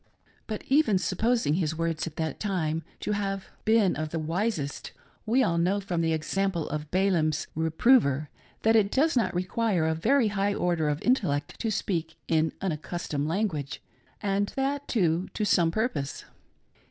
But even supposing his words at that time to have BROTHER BRIGHAM PLAYS THE PROPHET. 6^ been of the wisest, we all know from the example of Balaam's reprover, that it does not require a very high order of intellect to speak in unaccustomed language — and that, too, to some purpose.